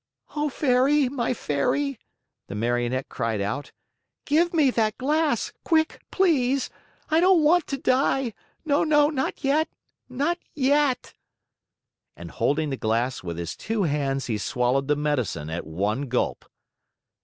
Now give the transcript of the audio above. "Oh, Fairy, my Fairy," the Marionette cried out, "give me that glass! Quick, please! I don't want to die! No, no, not yet not yet!" And holding the glass with his two hands, he swallowed the medicine at one gulp.